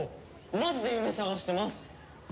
マジで夢探してます。